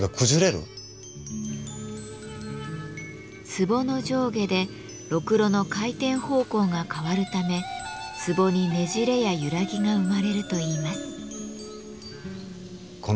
壺の上下でろくろの回転方向が変わるため壺にねじれや揺らぎが生まれるといいます。